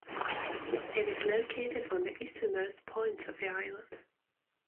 It is located on the easternmost point of the island.